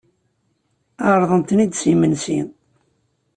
Ɛerḍen-ten-id s imensi.